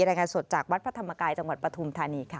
รายงานสดจากวัดพระธรรมกายจังหวัดปฐุมธานีค่ะ